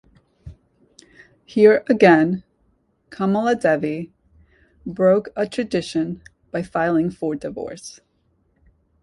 Here again, Kamaladevi broke a tradition by filing for divorce.